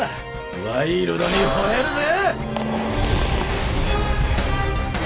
ワイルドに吠えるぜ！！